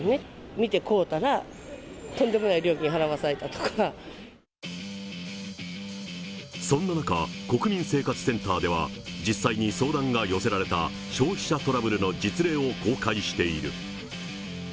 見て買うたら、そんな中、国民生活センターでは、実際に相談が寄せられた消費者トラブルの実例を公開している。